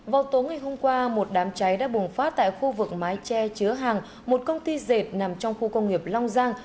vào tối ngày hôm qua một đám cháy đã bùng phát tại khu vực mái tre chứa hàng một công ty dệt nằm trong khu công nghiệp long giang